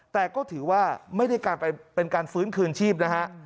แต่ก็ถือว่าไม่ได้เป็นการฟื้นคืนชีพนะฮะ